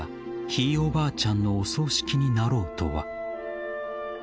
ひいおばあちゃんのお葬式になろうとは。